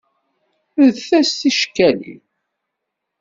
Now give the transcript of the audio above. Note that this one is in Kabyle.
Rret-as ticekkalin.